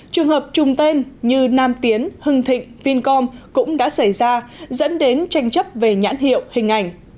trường hợp chung tên như nam tiến hưng thịnh vincom cũng đã xảy ra dẫn đến tranh chấp về nhãn hiệu hình ảnh